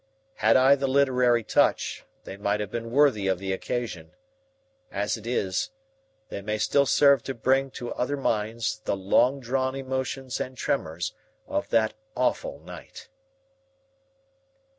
Had I the literary touch, they might have been worthy of the occasion. As it is, they may still serve to bring to other minds the long drawn emotions and tremors of that awful night.